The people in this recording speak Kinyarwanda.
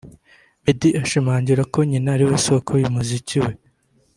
Meddy ashimangira ko nyina ari we soko y’umuziki we